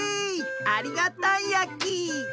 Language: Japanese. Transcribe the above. ありがたいやき！